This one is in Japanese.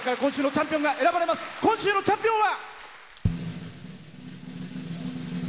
今週のチャンピオンは。